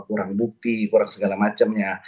kurang bukti kurang segala macamnya